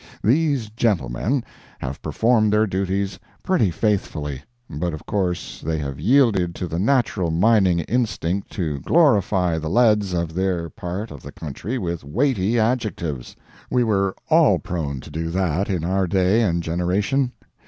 These gentlemen have performed their duties pretty faithfully, but of course they have yielded to the natural mining instinct to glorify the leads of their part of the country with weighty adjectives; we were all prone to do that in our day and generation.